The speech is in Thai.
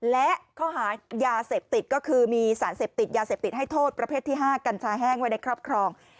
และข้อหายาเสพติดก็คือมีสารเสพติดยาเสพติดให้โทษประเภทที่๕กัญชาแห้งไว้ในครอบครอง